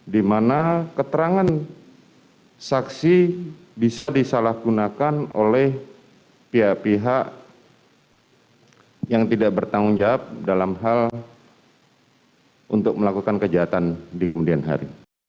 di mana keterangan saksi bisa disalahgunakan oleh pihak pihak yang tidak bertanggung jawab dalam hal untuk melakukan kejahatan di kemudian hari